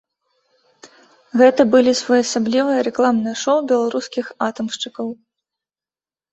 Гэта былі своеасаблівыя рэкламныя шоу беларускіх атамшчыкаў.